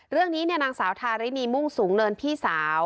เรื่องนี้นางสาวทารินีมุ่งสูงเนินพี่สาว